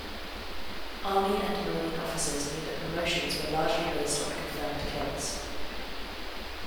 Army and marine officers knew that promotions were largely based on confirmed kills.